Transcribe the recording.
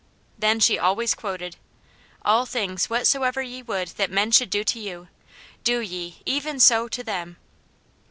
Then she always quoted: "All things whatsoever ye would that men should do to you, do ye EVEN SO to them."